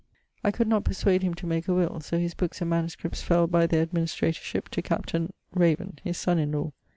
I could not persuade him to make a will; so his books and MSS. fell by administratorship to Capt. ... Raven, his son in law.